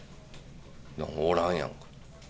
おらんやんか。